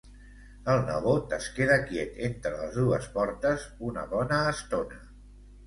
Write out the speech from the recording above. El nebot es queda quiet entre les dues portes una bona estona.